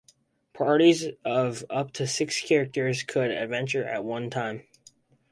Parties of up to six characters could adventure at one time.